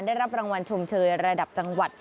ได้รับรางวัลชมเชยระดับจังหวัด